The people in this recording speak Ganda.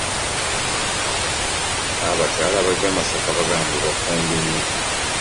Abakyala abava e Masaka bagamba mbu baba bafumbi nnyo.